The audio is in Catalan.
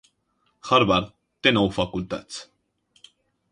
Harvard té nou facultats.